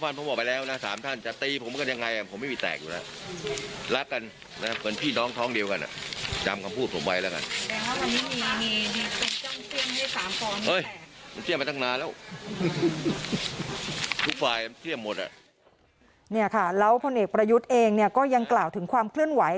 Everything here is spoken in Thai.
นี่ค่ะแล้วพลเอกประยุทธ์เองเนี่ยก็ยังกล่าวถึงความเคลื่อนไหว